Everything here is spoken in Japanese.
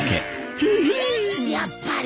やっぱり。